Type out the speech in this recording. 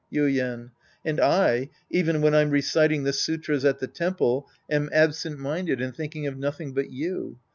Yiden. And I, even when I'm reciting the sutras at the temple, am absent minded and thinking of nothing but you.